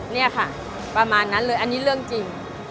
นี่ค่ะประมาณนั้นเลยอันนี้เรื่องจริง